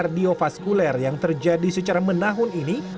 kardiofaskuler yang terjadi secara menahun ini